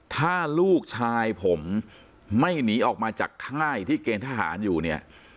ถ้าลูกชายผมไม่หนีออกมาจากค่ายที่เกณฑ์ทหารอยู่เนี่ย